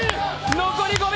残り５秒。